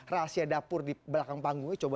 rahasia dapur di belakang panggungnya coba